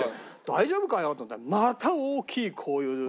大丈夫かよ？と思ったら。